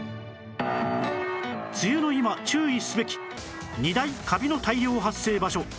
梅雨の今注意すべき２大カビの大量発生場所